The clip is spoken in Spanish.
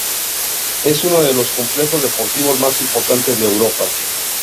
Es uno de los complejos deportivos más importantes de Europa.